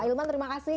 ailman terima kasih